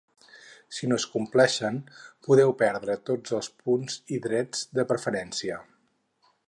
Si no es compleixen, podeu perdre tots els punts i drets de preferència.